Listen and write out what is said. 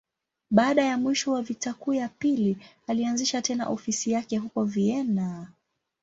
Baada ya mwisho wa Vita Kuu ya Pili, alianzisha tena ofisi yake huko Vienna.